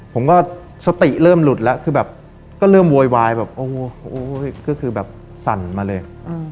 ผมก็สติเริ่มหลุดแล้วคือแบบก็เริ่มโวยวายแบบโอ้โหก็คือแบบสั่นมาเลย